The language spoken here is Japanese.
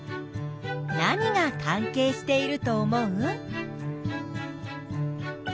何が関係していると思う？